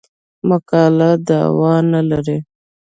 مقاله دعوا نه لري.